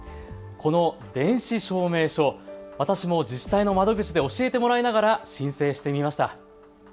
この電子証明書、私も自治体の窓口で教えてもらいながら申請してみました。